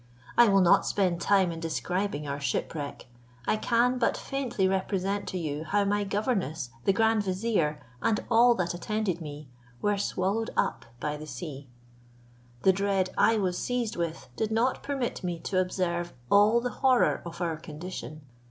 I will not spend time in describing our shipwreck. I can but faintly represent to you how my governess, the grand vizier, and all that attended me, were swallowed up by the sea. The dread I was seized with did not permit me to observe all the horror of our condition.